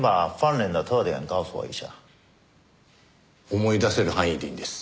思い出せる範囲でいいんです。